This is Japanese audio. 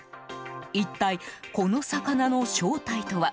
一体、この魚の正体とは？